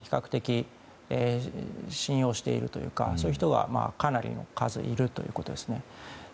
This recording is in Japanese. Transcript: それは政府の見解を比較的信用しているというかそういう人が、かなりの数いるということですね。